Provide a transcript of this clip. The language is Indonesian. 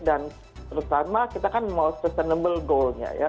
dan terutama kita kan mau sustainable goalnya ya